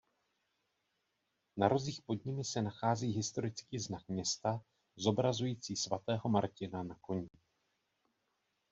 Na rozích pod nimi se nachází historický znak města zobrazující Svatého Martina na koni.